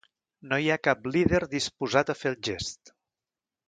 No hi ha cap líder disposat a fer el gest